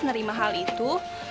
nerima hal itu